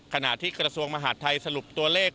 ขณะที่กระทรวงมหาดไทยสรุปตัวเลข